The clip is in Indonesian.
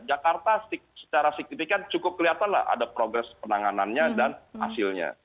jakarta secara signifikan cukup kelihatan lah ada progres penanganannya dan hasilnya